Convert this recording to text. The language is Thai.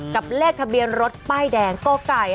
กับเลขคบียนรถป้ายแดงกไก่๕๓๑๑